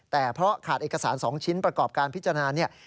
แต่เพราะขาดเอกสาร๒ชิ้นประกอบการพิจารณาเนี่ย